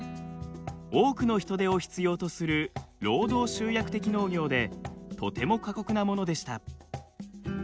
多くの人手を必要とする労働集約的農業でとても過酷なものでした。